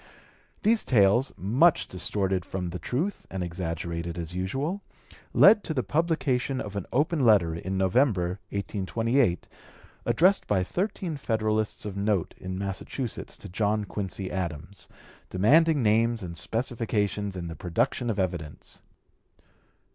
These tales, much distorted from the truth and exaggerated as usual, led to the publication of an open letter, in November, 1828, addressed by thirteen Federalists of note in Massachusetts to John Quincy Adams, demanding names and specifications and the production of evidence.